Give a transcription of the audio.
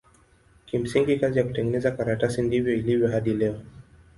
Kimsingi kazi ya kutengeneza karatasi ndivyo ilivyo hadi leo.